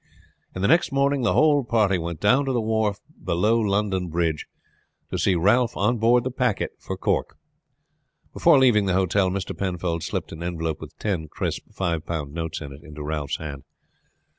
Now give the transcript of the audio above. And the next morning the whole party went down to the wharf below London Bridge to see Ralph on board the packet for Cork. Before leaving the hotel Mr. Penfold slipped an envelope with ten crisp five pound notes in it into Ralph's hand.